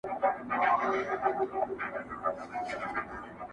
د حج پچه کي هم نوم د خان را ووت .